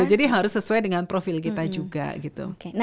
jadi harus sesuai dengan profil kita juga gitu